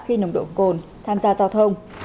khi nồng độ cồn tham gia giao thông